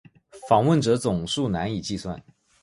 访问者总数难以计算。